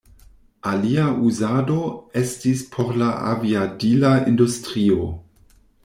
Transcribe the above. Alia uzado estis por la aviadila industrio.